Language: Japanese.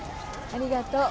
ありがとう。